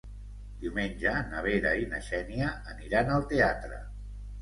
Diumenge na Vera i na Xènia aniran al teatre.